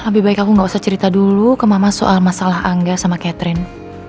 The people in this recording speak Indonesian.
lebih baik aku gak usah cerita dulu ke mama soal masalah angga sama catherine